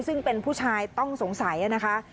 ซึ่งเป็นผู้ชายต้องสงสัยนะคะ